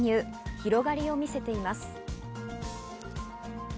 広がりを見せています。